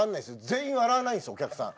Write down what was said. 全員笑わないんすよお客さん。